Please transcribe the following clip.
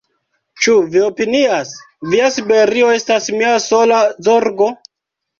Ĉu vi opinias, via Siberio estas mia sola zorgo?